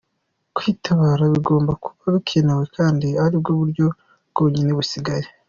Kwitabara bigomba kuba bikenewe kandi aribwo buryo bwonyine busigaye.